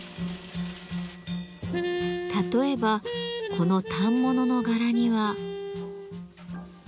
例えばこの反物の柄には。